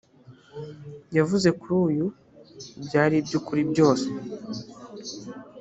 yavuze kuri uyu byari iby ukuri byose